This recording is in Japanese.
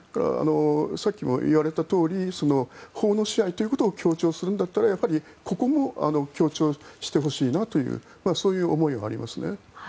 さっきも言われたとおり法の支配ということを強調するんだったら、やっぱりここも強調してほしいなというそういう思いはありますね。